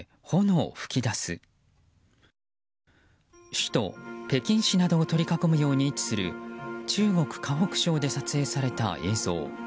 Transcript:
首都・北京市などを取り囲むように位置する中国・河北省で撮影された映像。